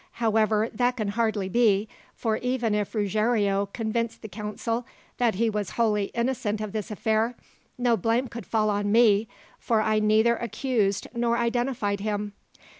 "However, that can hardly be, for even if Ruggiero convinced the council that he was wholly innocent of this affair, no blame could fall on me, for I neither accused nor identified him.